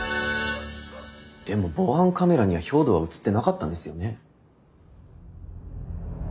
でも防犯カメラには兵藤は映ってなかったんですよね？